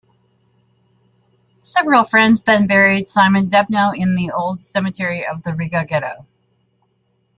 Several friends then buried Simon Dubnow in the old cemetery of the Riga ghetto.